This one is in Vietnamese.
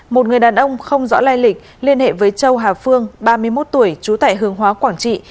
một người đàn ông không rõ lai lịch liên hệ với châu hà phương ba mươi một tuổi trú tại hướng hóa quảng trị